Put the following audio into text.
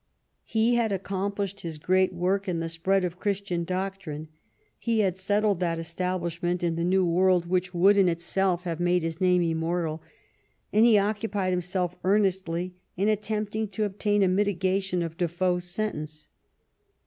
He had accomplished his great work in the spread of Christian doctrine, he had settled that establishment in the New World which would in itself have made his name immortal, and he occupied himself earnestly in attempting to obtain a mitigation of Defoe's sentence.